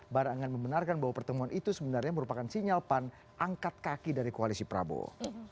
bara angan membenarkan bahwa pertemuan itu sebenarnya merupakan sinyal pan angkat kaki dari koalisi prabowo